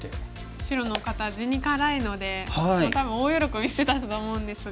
白の方地に辛いのでもう多分大喜びしてたと思うんですが。